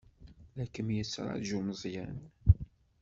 La kem-yettṛaju Meẓyan.